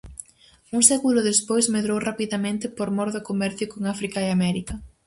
Un século despois medrou rapidamente por mor do comercio con África e América.